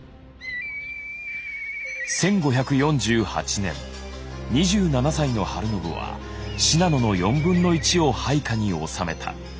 １５４８年２７歳の晴信は信濃の４分の１を配下に収めた。